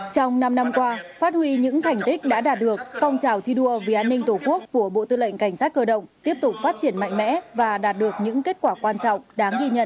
trong năm năm qua phát huy những thành tích đã đạt được phong trào thi đua vì an ninh tổ quốc của bộ tư lệnh cảnh sát cơ động tiếp tục phát triển mạnh mẽ và đạt được những kết quả quan trọng đáng ghi nhận